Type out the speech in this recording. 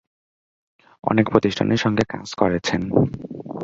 অনেক প্রতিষ্ঠানের সঙ্গে কাজ করেছেন।